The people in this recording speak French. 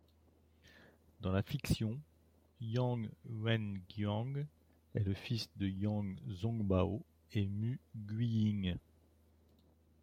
Dans la fiction, Yang Wenguang est le fils de Yang Zongbao et Mu Guiying.